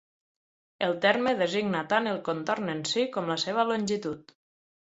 El terme designa tant el contorn en si com la seva longitud.